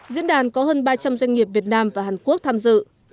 diễn đàn có hơn ba trăm linh doanh nghiệp việt nam và hàn quốc tham dự